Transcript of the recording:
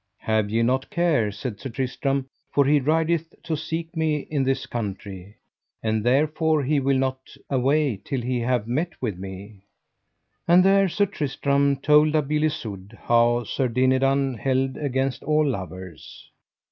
Have ye no care, said Sir Tristram, for he rideth to seek me in this country; and therefore he will not away till he have met with me. And there Sir Tristram told La Beale Isoud how Sir Dinadan held against all lovers.